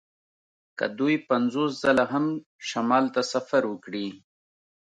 که دوی پنځوس ځله هم شمال ته سفر وکړي